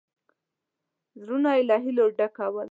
زړونه یې له هیلو ډکول.